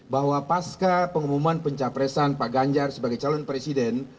bahwa pas ke pengumuman pencafresan pak ganjar sebagai calon presiden